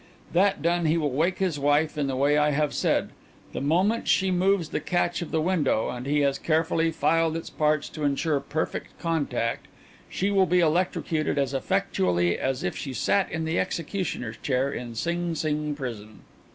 That done, he will wake his wife in the way I have said. The moment she moves the catch of the window and he has carefully filed its parts to ensure perfect contact she will be electrocuted as effectually as if she sat in the executioner's chair in Sing Sing prison."